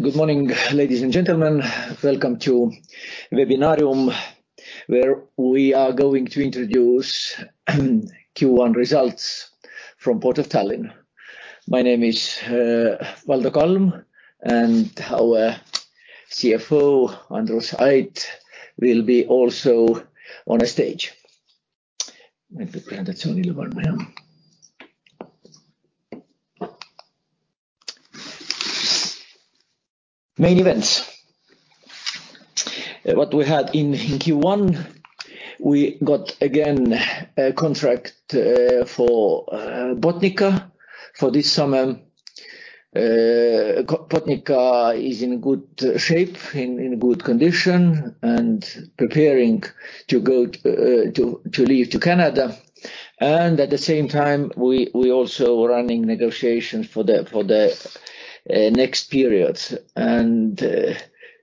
Good morning, ladies and gentlemen. Welcome to webinarium, where we are going to introduce Q1 results from Port of Tallinn. My name is Valdo Kalm, and our CFO, Andrus Ait will be also on the stage. Main events. What we had in Q1, we got again a contract for Botnica for this summer. Botnica is in good shape, in good condition and preparing to go to leave to Canada. At the same time, we also running negotiations for the next periods.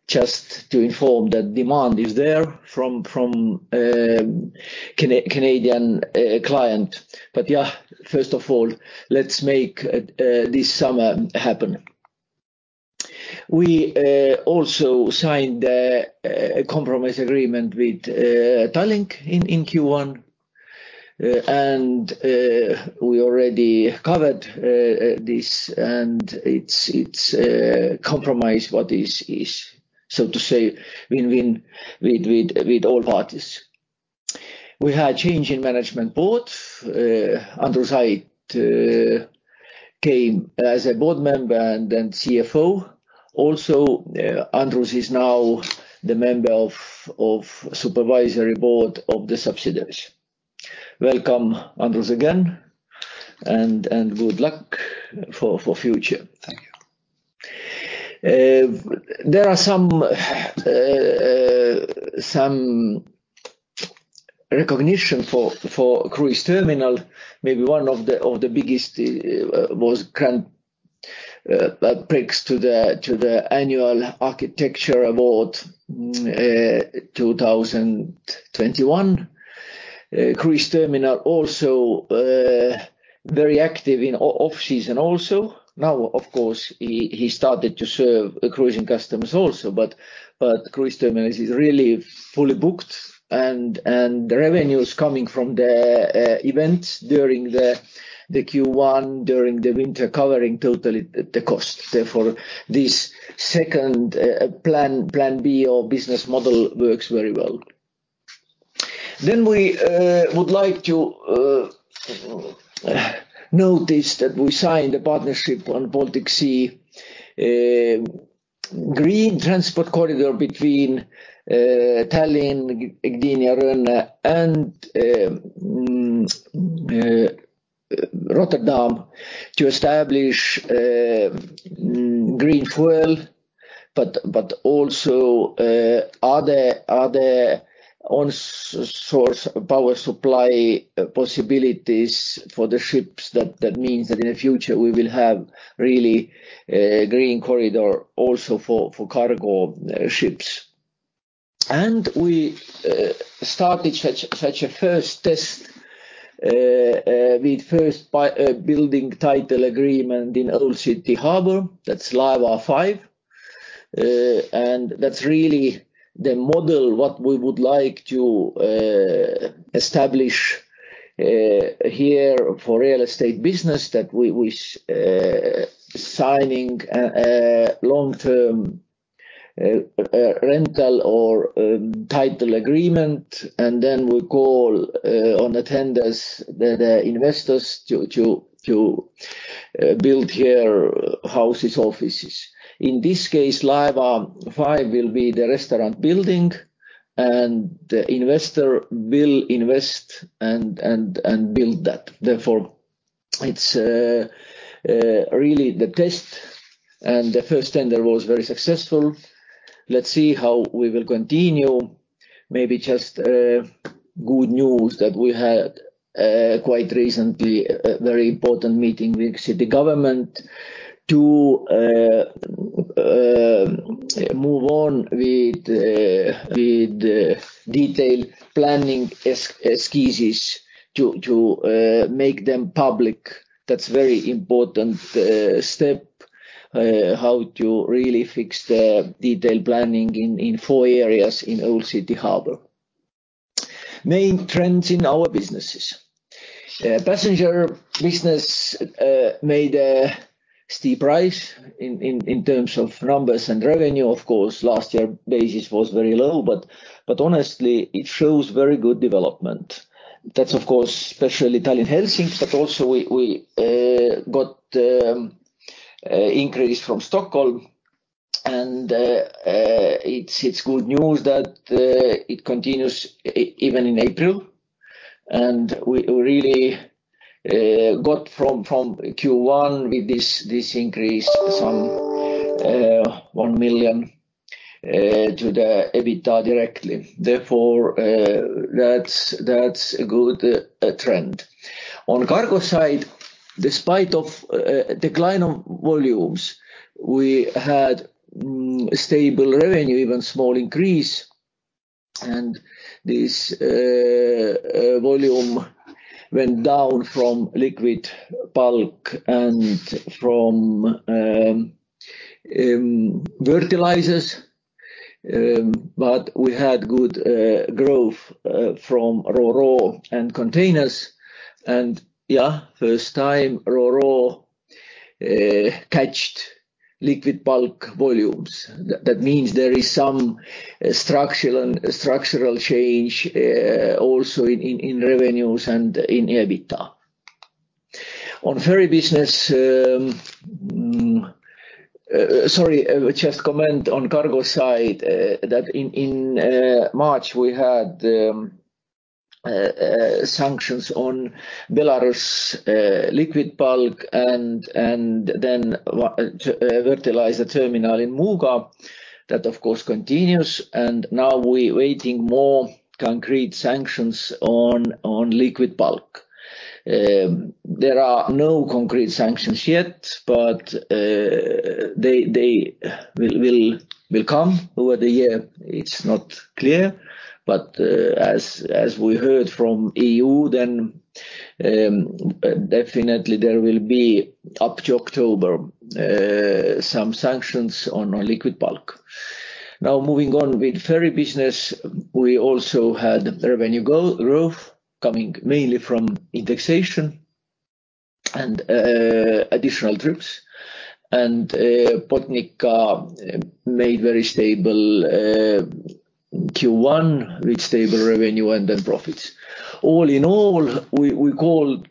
Just to inform that demand is there from Canadian client. Yeah, first of all, let's make this summer happen. We also signed a compromise agreement with Tallink in Q1, and we already covered this, and it's compromise what is, so to say, win-win with all parties. We had a change in management board. Andrus Ait came as a board member and then CFO. Andrus is now the member of supervisory board of the subsidiaries. Welcome, Andrus, again, and good luck for future. Thank you. There are some recognition for cruise terminal. Maybe one of the biggest was Grand Prix to the Estonian Architecture Awards 2021. Cruise terminal also very active in off season also. Now, of course, he started to serve the cruising customers also, but cruise terminal is really fully booked and the revenue is coming from the events during the Q1, during the winter, covering totally the cost. Therefore, this second plan B or business model works very well. We would like to notice that we signed a partnership on Baltic Sea, a green transport corridor between Tallinn, Gdynia, Rønne, and Rotterdam to establish green fuel, but also other onshore power supply possibilities for the ships. That means that in the future we will have really green corridor also for cargo ships. We started such a first test with first by building right agreement in Old City Harbor, that's Laeva 5. That's really the model what we would like to establish here for real estate business that we wish signing a long-term rental or building right agreement. We call on the tenders the investors to build here houses, offices. In this case, Laeva 5 will be the restaurant building, and the investor will invest and build that. It's really the test. The first tender was very successful. Let's see how we will continue. Maybe just good news that we had quite recently a very important meeting with city government to move on with the detailed planning esquisses to make them public. That's very important step how to really fix the detailed planning in four areas in Old City Harbor. Main trends in our businesses. Passenger business made a steep rise in terms of numbers and revenue. Of course, last year basis was very low, but honestly, it shows very good development. That's, of course, especially Tallinn, Helsinki, but also we got increase from Stockholm and it's good news that it continues even in April. We really got from Q1 with this increase some 1 million to the EBITDA directly. That's a good trend. On cargo side, despite of decline of volumes, we had stable revenue, even small increase. This volume went down from liquid bulk and from fertilizers. We had good growth from ro-ro and containers and, yeah, first time ro-ro catched liquid bulk volumes. That means there is some structural change also in revenues and in EBITDA. On ferry business, just comment on cargo side that in March, we had sanctions on Belarus liquid bulk and then fertilizer terminal in Muuga. That of course continues. Now we're waiting more concrete sanctions on liquid bulk. There are no concrete sanctions yet, they will come over the year. It's not clear, as we heard from EU then, definitely there will be up to October some sanctions on our liquid bulk. Now moving on with ferry business, we also had revenue go-growth coming mainly from indexation and additional trips. Botnica made very stable Q1 with stable revenue and then profits. All in all, we called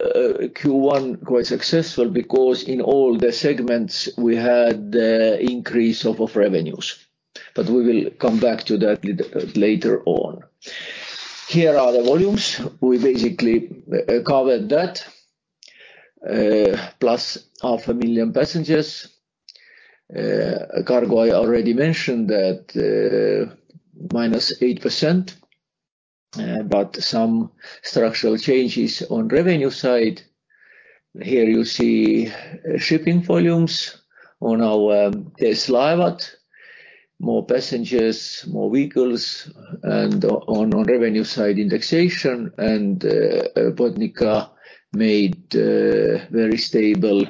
Q1 quite successful because in all the segments we had increase of revenues. We will come back to that later on. Here are the volumes. We basically covered that, plus half a million passengers. Cargo, I already mentioned that, -8%, some structural changes on revenue side. Here you see shipping volumes on our TS Laevad, more passengers, more vehicles, and on our revenue side, indexation, and Botnica made very stable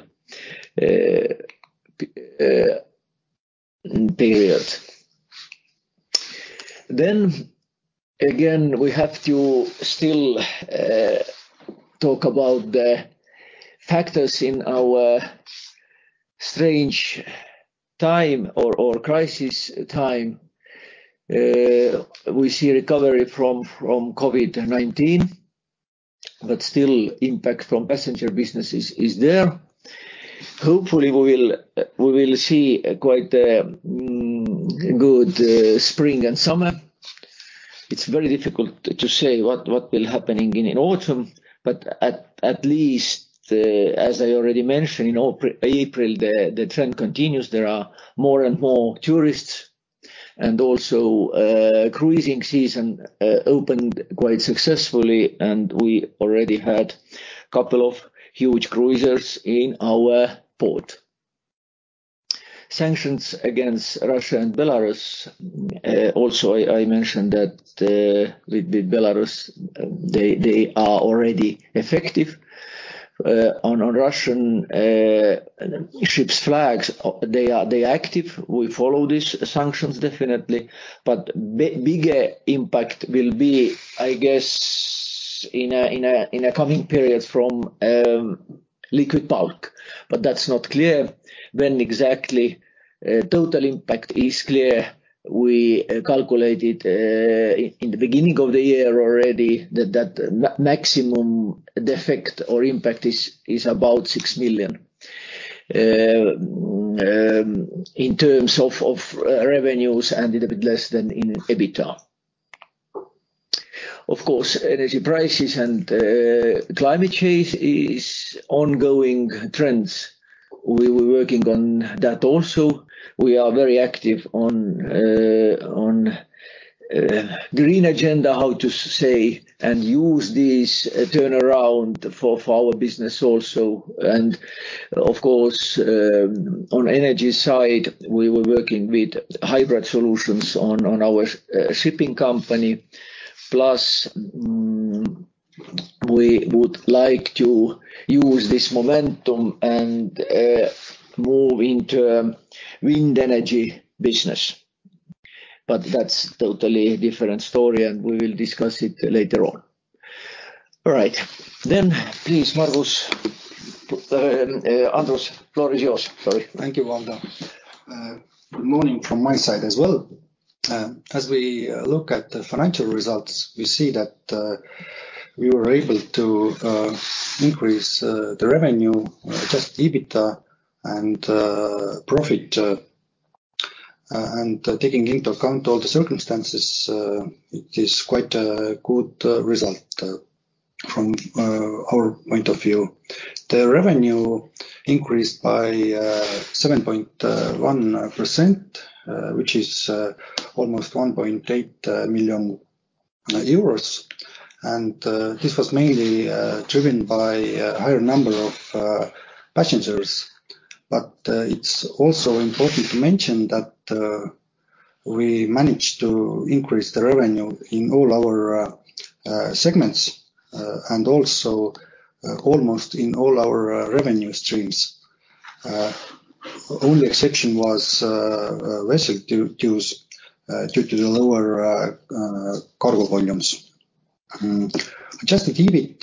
period. Again, we have to still talk about the factors in our strange time or crisis time. We see recovery from COVID-19, but still impact from passenger business is there. Hopefully, we will see quite good spring and summer. It's very difficult to say what will happen in autumn, but at least, as I already mentioned, in April, the trend continues. There are more and more tourists and also cruising season opened quite successfully, and we already had couple of huge cruisers in our port. Sanctions against Russia and Belarus. Also, I mentioned that with the Belarus, they are already effective. On our Russian ships flags, they active. We follow these sanctions definitely, bigger impact will be, I guess, in a coming period from liquid bulk. That's not clear when exactly total impact is clear. We calculated in the beginning of the year already that maximum defect or impact is about 6 million in terms of revenues and a little bit less than in EBITDA. Of course, energy prices and climate change is ongoing trends. We were working on that also. We are very active on green agenda, how to say, and use this turnaround for our business also. Of course, on energy side, we were working with hybrid solutions on our shipping company. We would like to use this momentum and move into wind energy business. That's totally different story, and we will discuss it later on. All right. Please, Margus, Andrus, floor is yours. Sorry. Thank you, Valdo. Good morning from my side as well. As we look at the financial results, we see that we were able to increase the revenue, adjust EBITDA and profit, and taking into account all the circumstances, it is quite a good result from our point of view. The revenue increased by 7.1%, which is almost 1.8 million euros. This was mainly driven by higher number of passengers. It's also important to mention that we managed to increase the revenue in all our segments and also almost in all our revenue streams. Only exception was vessel dues due to the lower cargo volumes. Adjusted EBIT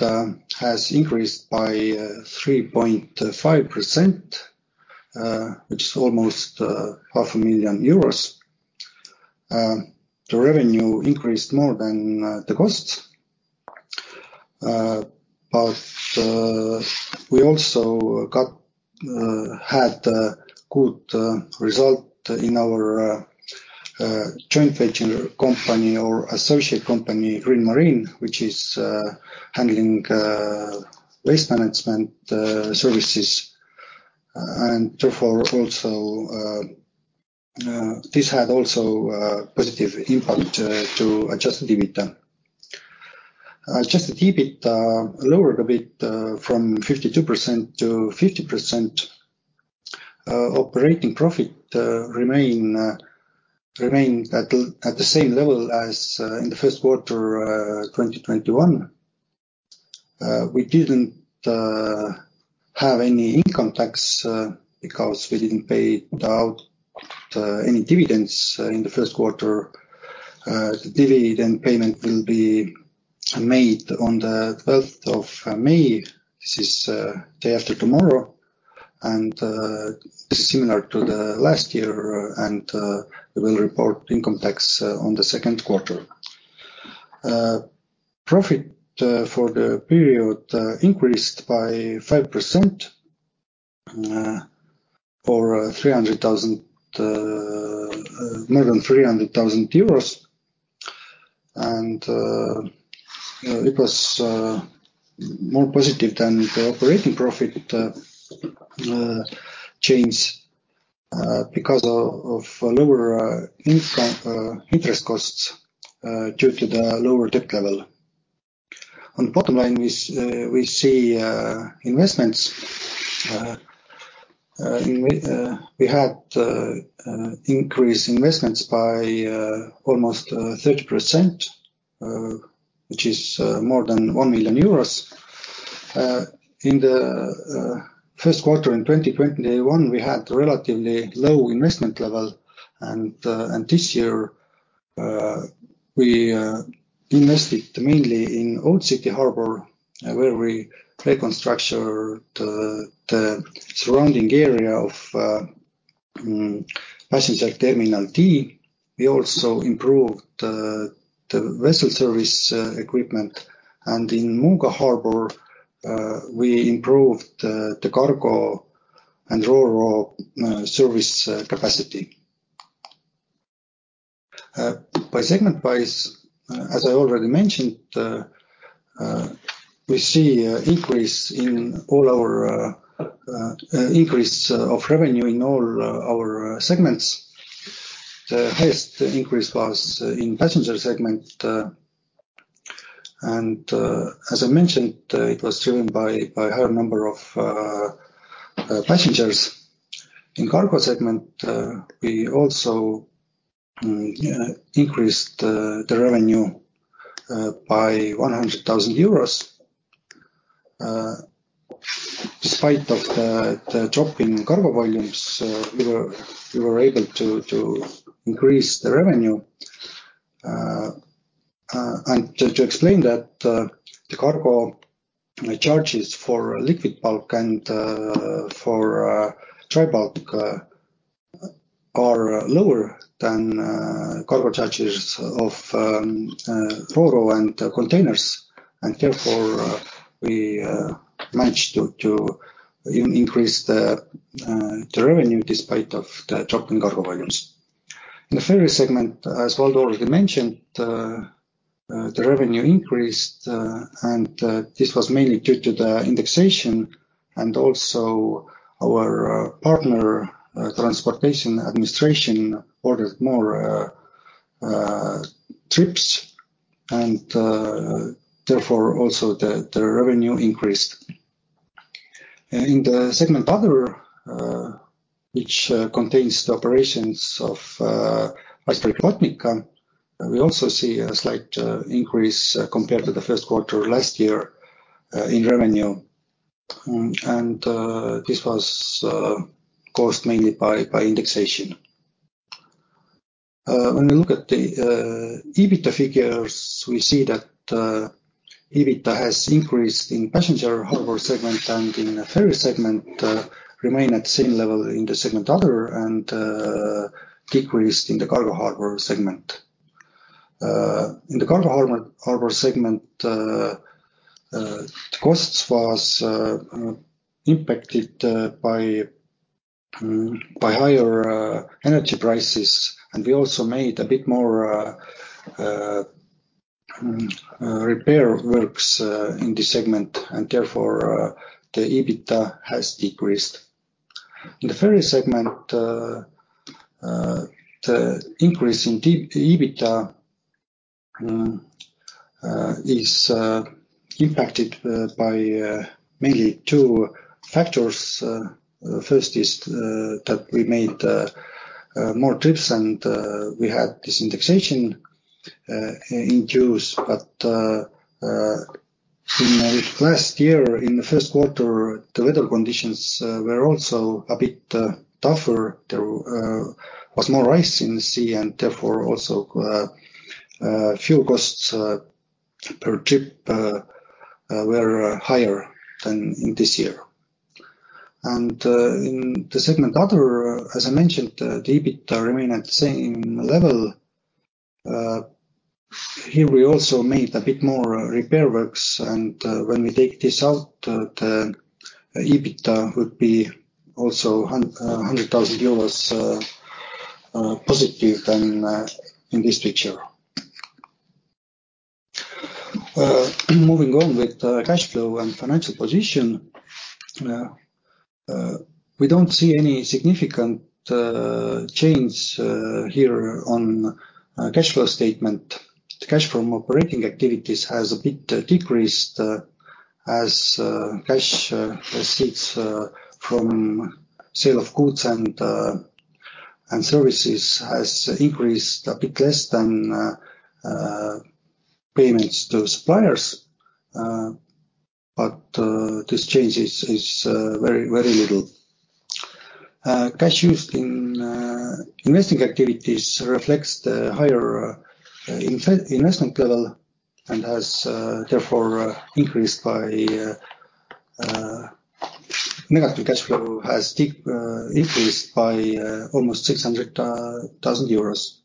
has increased by 3.5%, which is almost half a million euros. The revenue increased more than the costs. We also had good result in our joint venture company or associate company, Green Marine, which is handling waste management services. Therefore also this had also positive impact to adjusted EBITA. Adjusted EBIT lowered a bit from 52%-50%. Operating profit remained at the same level as in the first quarter 2021. We didn't have any income tax because we didn't pay out any dividends in the first quarter. The dividend payment will be made on the 12th of May. This is day after tomorrow. This is similar to the last year. We'll report income tax on the second quarter. Profit for the period increased by 5% for 300,000 more than 300,000 euros. It was more positive than the operating profit change because of lower income interest costs due to the lower debt level. On bottom line is we see investments. We had increased investments by almost 30% which is more than 1 million euros. In the first quarter in 2021, we had relatively low investment level and this year, we invested mainly in Old City Harbor, where we restructured the surrounding area of passenger Terminal D. We also improved the vessel service equipment. In Muuga Harbour, we improved the cargo and ro-ro service capacity. By segment-wise, as I already mentioned, we see a increase of revenue in all our segments. The highest increase was in passenger segment. As I mentioned, it was driven by higher number of passengers. In cargo segment, we also increased the revenue by EUR 100,000. Despite of the drop in cargo volumes, we were able to increase the revenue. And to explain that, the cargo charges for liquid bulk and for dry bulk are lower than cargo charges of ro-ro and containers and therefore, we managed to increase the revenue despite of the drop in cargo volumes. In the ferry segment, as Valdo already mentioned, the revenue increased, and this was mainly due to the indexation and also our partner, Estonian Transport Administration ordered more trips and therefore, also the revenue increased. In the segment other, which contains the operations of icebreaker Botnica we also see a slight increase compared to the first quarter last year in revenue. This was caused mainly by indexation. When we look at the EBITDA figures, we see that EBITDA has increased in passenger harbor segment and in the ferry segment, remain at same level in the segment other and decreased in the cargo harbor segment. In the cargo harbor segment, the costs was impacted by higher energy prices. We also made a bit more repair works in this segment and therefore, the EBITDA has decreased. In the ferry segment, the increase in EBITDA is impacted by mainly two factors. First is that we made more trips. We had this indexation in June. In last year, in the first quarter, the weather conditions were also a bit tougher. There was more ice in the sea. Therefore also, fuel costs per trip were higher than in this year. In the segment other, as I mentioned, the EBITDA remain at the same level. Here we also made a bit more repair works and, when we take this out, the EBITDA would be also 100,000 euros positive than in this picture. Moving on with the cash flow and financial position. We don't see any significant change here on cash flow statement. The cash from operating activities has a bit decreased, as cash receipts from sale of goods and services has increased a bit less than payments to suppliers. This change is very, very little. Cash used in investing activities reflects the higher investment level and has therefore increased. Negative cash flow has increased by almost 600 thousand euros.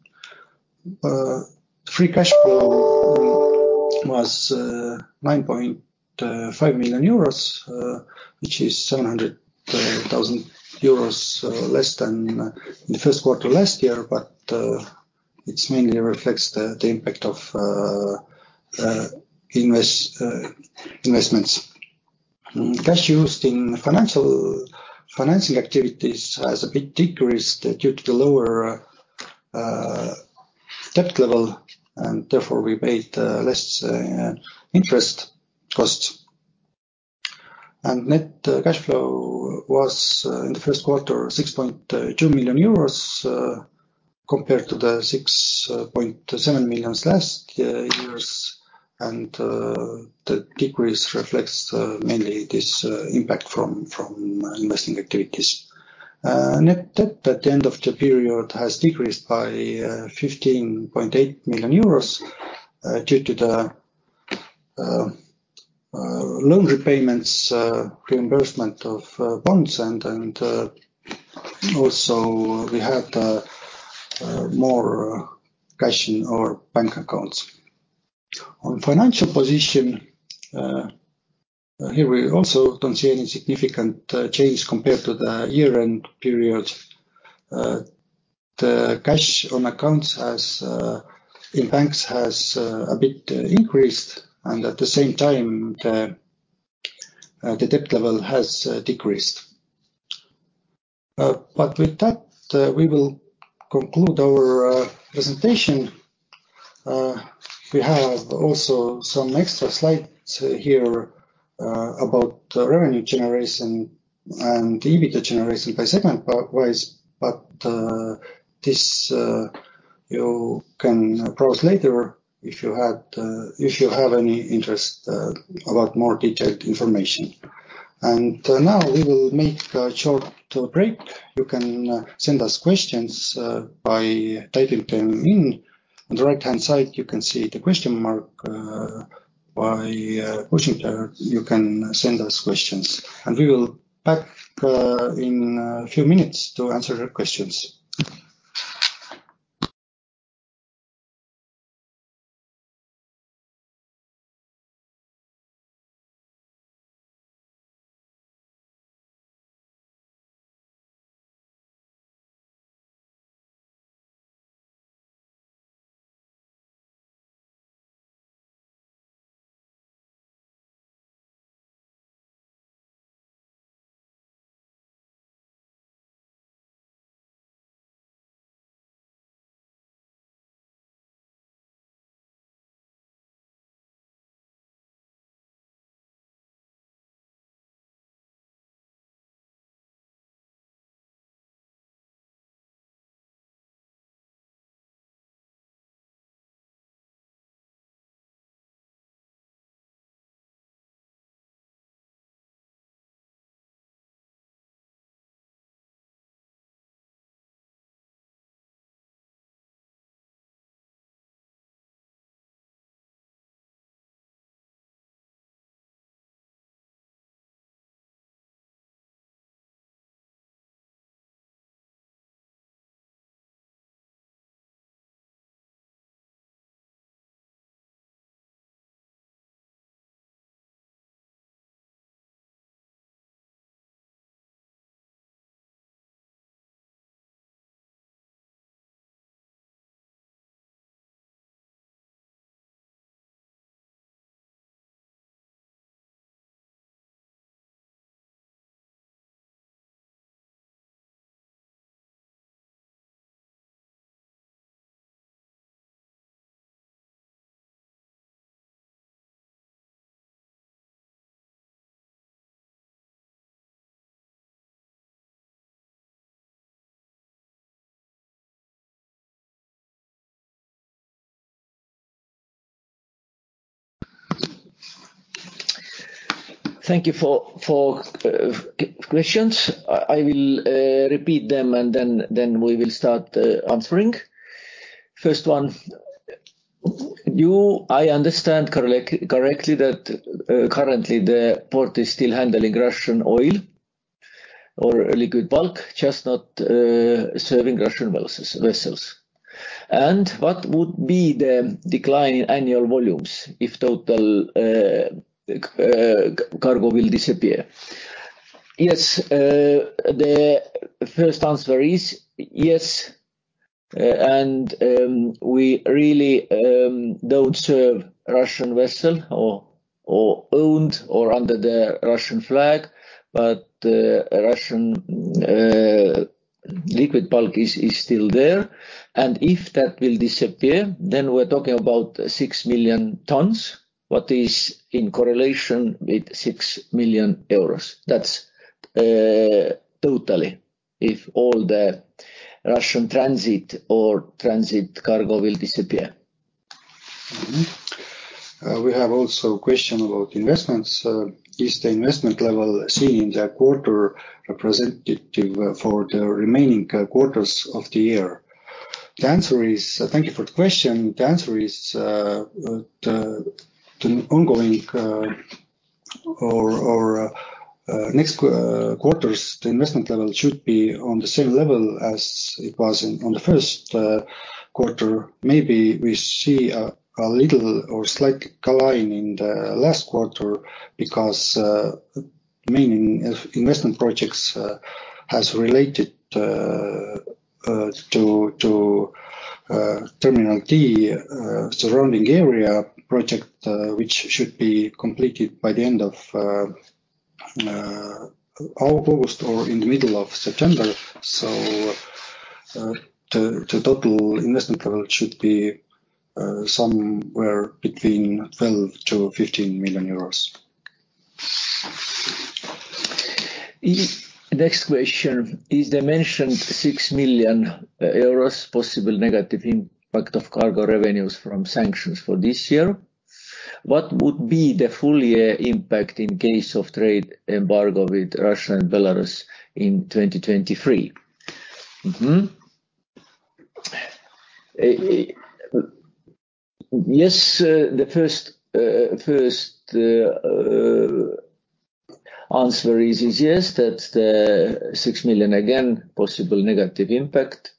Free cash flow was 9.5 million euros, which is 700 thousand euros less than the first quarter last year. It mainly reflects the impact of investments. Cash used in financing activities has a bit decreased due to the lower debt level, and therefore we paid less interest costs. Net cash flow was in the first quarter 6.2 million euros, compared to 6.7 million last year, and the decrease reflects mainly this impact from investing activities. Net debt at the end of the period has decreased by 15.8 million euros due to the loan repayments, reimbursement of bonds and also we had more cash in our bank accounts. On financial position, here we also don't see any significant change compared to the year-end period. The cash on accounts in banks has a bit increased and at the same time the debt level has decreased. With that, we will conclude our presentation. We have also some extra slides here about revenue generation and the EBITDA generation by segment part-wise. This you can browse later if you have any interest about more detailed information. Now we will make a short break. You can send us questions by typing them in. On the right-hand side, you can see the question mark. By pushing that, you can send us questions, and we will back in a few minutes to answer your questions. Thank you for questions. I will repeat them, and then we will start answering. First one, do I understand correctly that currently the port is still handling Russian oil or liquid bulk, just not serving Russian vessels? What would be the decline in annual volumes if total cargo will disappear? Yes, the first answer is yes. We really don't serve Russian vessel or owned or under the Russian flag, but Russian liquid bulk is still there. If that will disappear, then we're talking about 6 million tons, what is in correlation with 6 million euros. That's totally if all the Russian transit cargo will disappear. We have also a question about investments. Is the investment level seen in the quarter representative for the remaining quarters of the year? The answer is Thank you for the question. The answer is the ongoing or next quarters the investment level should be on the same level as it was on the first quarter. Maybe we see a little or slight decline in the last quarter because meaning if investment projects has related to Terminal D surrounding area project, which should be completed by the end of August or in the middle of September. The total investment level should be somewhere between 12 million-15 million euros. Next question. Is the mentioned 6 million euros possible negative impact of cargo revenues from sanctions for this year? What would be the full year impact in case of trade embargo with Russia and Belarus in 2023? Yes, the first answer is yes, that 6 million, again, possible negative impact.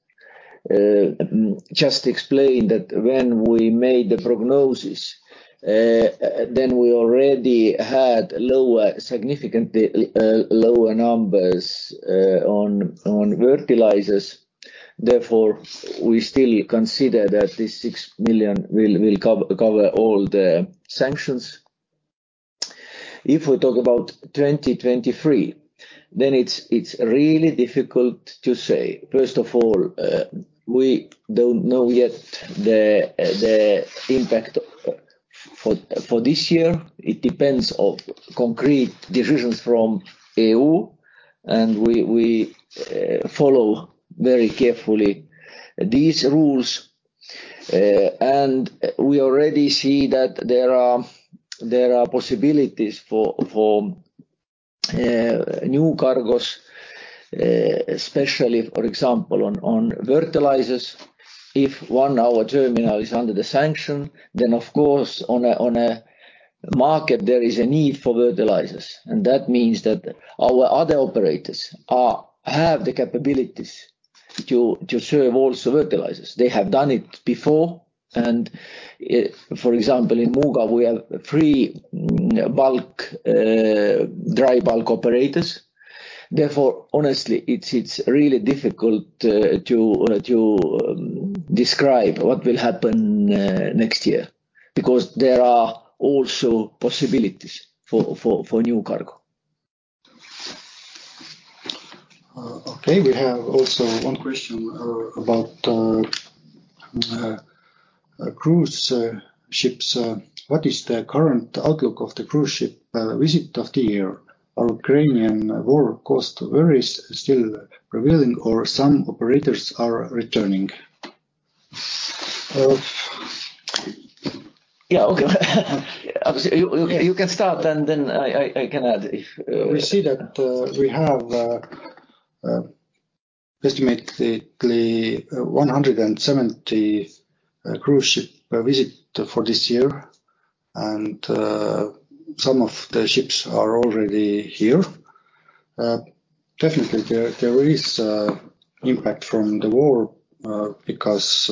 Just explain that when we made the prognosis, then we already had lower, significantly lower numbers on fertilizers. We still consider that this 6 million will cover all the sanctions. We talk about 2023, then it's really difficult to say. First of all, we don't know yet the impact for this year. It depends of concrete decisions from EU, and we follow very carefully these rules. We already see that there are possibilities for new cargos, especially for example, on fertilizers. If one our terminal is under the sanction, then of course, on a market there is a need for fertilizers. That means that our other operators have the capabilities to serve also fertilizers. They have done it before, for example, in Muuga we have three bulk, dry bulk operators. Therefore, honestly, it's really difficult to describe what will happen next year because there are also possibilities for new cargo. Okay. We have also one question about cruise ships. What is the current outlook of the cruise ship visit of the year? Are Ukrainian war cost worries still prevailing or some operators are returning? Yeah. Okay. You, you can start, and then I can add if. We see that we have estimatedly 170 cruise ship visit for this year, and some of the ships are already here. Definitely there is impact from the war, because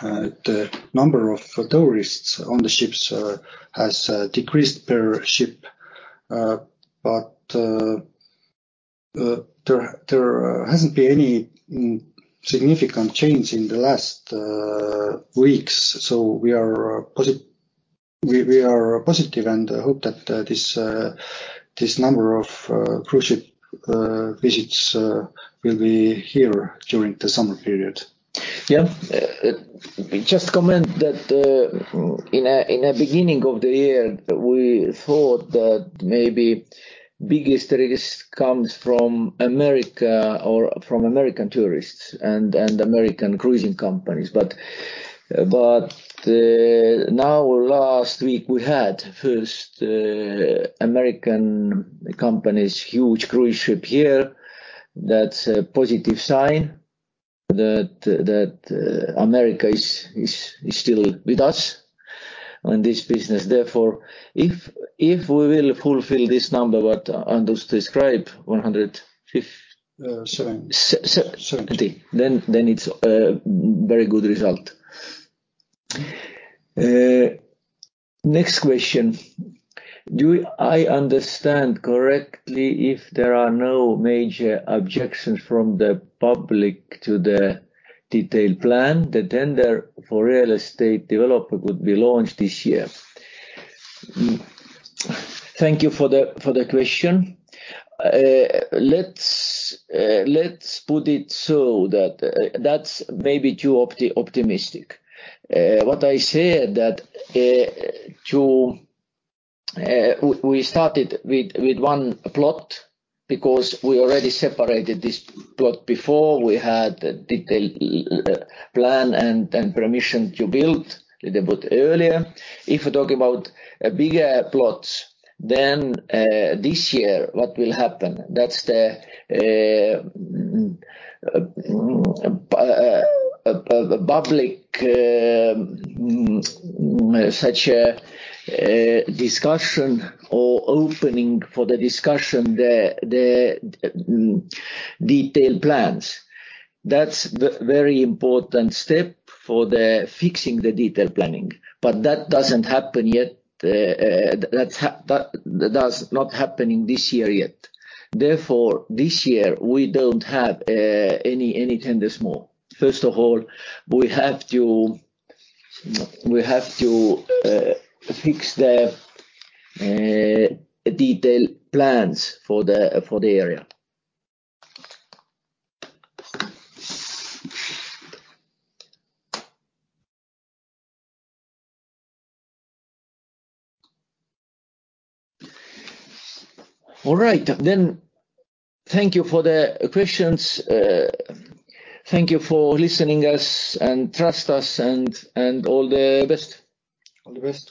the number of tourists on the ships has decreased per ship. There hasn't been any significant change in the last weeks, so we are positive and hope that this number of cruise ship visits will be here during the summer period. Yeah. Just comment that in the beginning of the year, we thought that maybe biggest risk comes from America or from American tourists and American cruising companies. Now last week we had first American company's huge cruise ship here. That's a positive sign that America is still with us on this business. Therefore, if we will fulfill this number what Andrus described, EUR 70. 70, then it's a very good result. Next question. Do I understand correctly if there are no major objections from the public to the detailed plan, the tender for real estate developer would be launched this year? Thank you for the question. Let's put it so that that's maybe too optimistic. What I said that, we started with one plot because we already separated this plot before we had detailed plan and permission to build the plot earlier. If we're talking about bigger plots, then this year, what will happen, that's the public such a discussion or opening for the discussion the detailed plans. That's the very important step for the fixing the detailed planning. That doesn't happen yet. That does not happen in this year yet. This year we don't have any tenders more. First of all, we have to fix the detailed plans for the area. All right. Thank you for the questions. Thank you for listening us and trust us and all the best. All the best.